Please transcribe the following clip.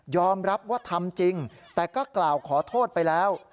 รับว่าทำจริงแต่ก็กล่าวขอโทษไปแล้ว